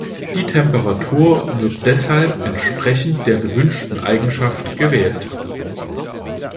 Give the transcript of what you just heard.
Die Temperatur wird deshalb entsprechend der gewünschten Eigenschaft gewählt.